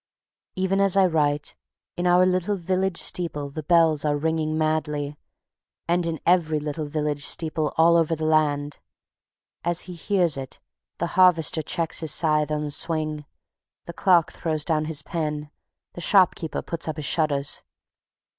Even as I write, in our little village steeple the bells are ringing madly, and in every little village steeple all over the land. As he hears it the harvester checks his scythe on the swing; the clerk throws down his pen; the shopkeeper puts up his shutters.